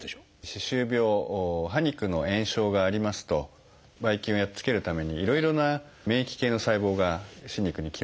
歯周病歯肉の炎症がありますとばい菌をやっつけるためにいろいろな免疫系の細胞が歯肉に来ます。